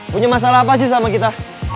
punya masalah apa sih sama kita